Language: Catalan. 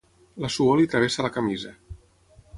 La suor li travessa la camisa.